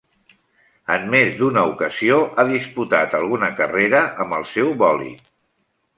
En més d'una ocasió ha disputat alguna carrera amb el seu bòlid.